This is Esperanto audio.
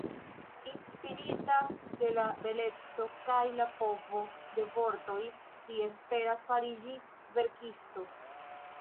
Inspirita de la beleco kaj la povo de vortoj, li esperas fariĝi verkisto.